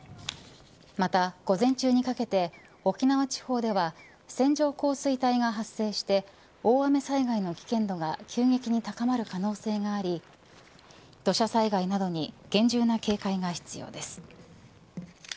また、午前中にかけて沖縄地方では線状降水帯が発生して大雨災害の危険度が急激に高まる可能性があり土砂災害などに厳重な警戒が必要です。